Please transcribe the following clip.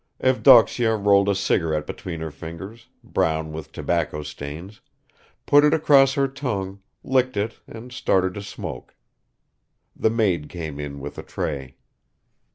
Evdoksya rolled a cigarette between her fingers, brown with tobacco stains, put it across her tongue, licked it and started to smoke. The maid came in with a tray.